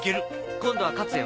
今度は勝つよ。